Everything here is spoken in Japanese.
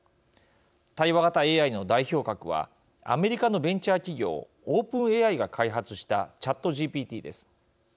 対話型ＡＩの代表格はアメリカのベンチャー企業オープンＡＩが開発したＣｈａｔＧＰＴです。